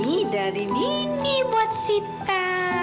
ini dari nini buat sita